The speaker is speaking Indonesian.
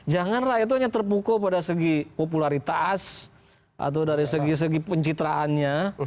jangan rakyat itu hanya terpukul pada segi popularitas atau dari segi segi pencitraannya